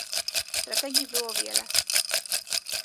Strategii było wiele